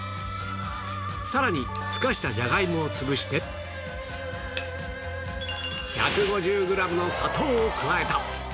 さらにふかしたジャガイモを潰して１５０グラムの砂糖を加えた